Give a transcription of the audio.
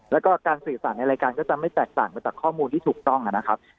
แล้วก็การสื่อสารในรายการก็จะไม่แตกต่างไปจากข้อมูลที่ถูกต้องนะครับ